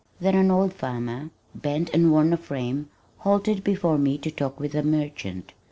Then an old farmer, bent and worn of frame, halted before me to talk with a merchant.